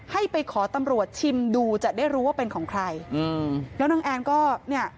ให้ไปขอตำรวจชิมดูจะได้รู้ว่าเป็นของใครอืมแล้วนางแอนก็เนี่ย